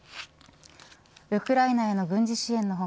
ウクライナへの軍事支援の他